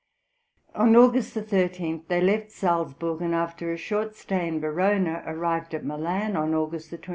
On August 13 they left Salzburg, and after a short stay in Verona arrived at Milan on August 21.